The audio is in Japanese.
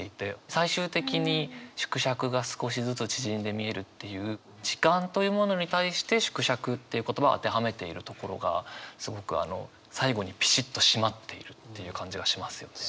最終的に「縮尺が少しずつ縮んで見える」っていう時間というものに対して「縮尺」という言葉を当てはめているところがすごく最後にピシッと締まっているっていう感じがしますよね。